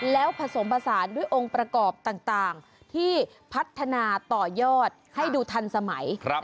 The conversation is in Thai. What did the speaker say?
แล้วผสมผสานด้วยองค์ประกอบต่างที่พัฒนาต่อยอดให้ดูทันสมัย